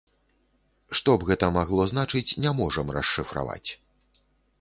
Што б гэта магло значыць, не можам расшыфраваць.